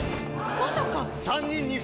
まさか！